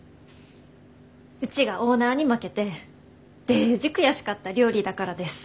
うちがオーナーに負けてデージ悔しかった料理だからです。